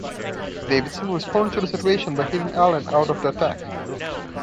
Davidson responded to the situation by hitting Allen out of the attack.